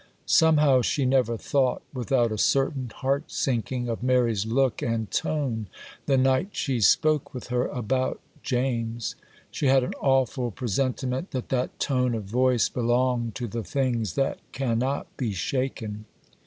Somehow she never thought without a certain heart sinking of Mary's look and tone the night she spoke with her about James; she had an awful presentiment that that tone of voice belonged to the things that cannot be shaken.